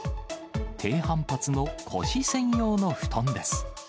低反発の腰専用の布団です。